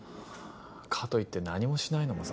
かといって何もしないのもさ。